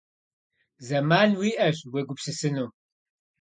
Зэман уиӀащ уегупсысыну.